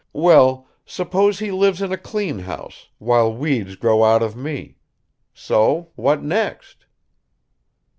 Well, suppose he lives in a clean house, while weeds grow out of me so, what next?"